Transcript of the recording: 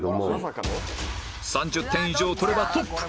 ３０点以上取ればトップ